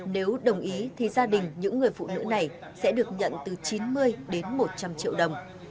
nếu đồng ý thì gia đình những người phụ nữ này sẽ được nhận từ chín mươi đến một trăm linh triệu đồng